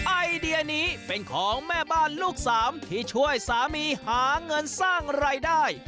ไอเดียนี้เป็นของแม่บ้านลูกสามที่ช่วยสามีหาเงินสร้างรายได้